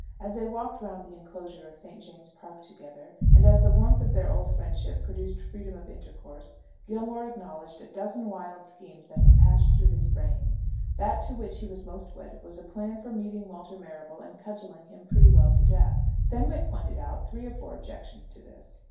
As they walked round the enclosure of St. James's Park together, and as the warmth of their old friendship produced freedom of intercourse, Gilmore acknowledged a dozen wild schemes that had passed through his brain. That to which he was most wedded was a plan for meeting Walter Marrable and cudgelling him pretty well to death. Fenwick pointed out three or four objections to this.